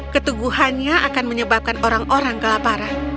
keteguhannya akan menyebabkan orang orang kelaparan